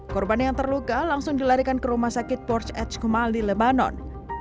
korban yang terluka langsung dilarikan ke rumah sakit porch edge kumal di lebanon